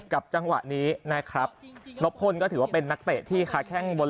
จังหวะนี้นะครับนกพ่นก็ถือว่าเป็นนักเตะที่ค้าแข้งบน